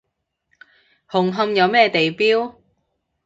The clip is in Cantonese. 紅磡有咩地標？